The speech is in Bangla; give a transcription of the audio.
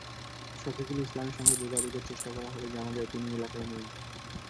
শফিকুল ইসলামের সঙ্গে যোগাযোগের চেষ্টা করা হলে জানা যায়, তিনি এলাকায় নেই।